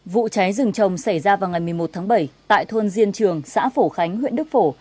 vụ cháy rừng trồng xảy ra vào ngày một mươi một tháng bảy tại thôn diên trường xã phổ khánh huyện đức phổ